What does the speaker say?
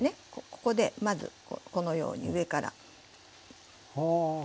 ここでまずこのように上から。